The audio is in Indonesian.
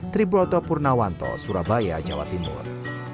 triburoto purnawanto surabaya jawa timur